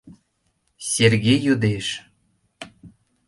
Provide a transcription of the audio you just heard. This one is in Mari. — Серге йодеш.